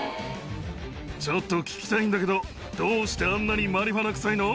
ちょっと聞きたいんだけど、どうしてあんなにマリファナ臭いの？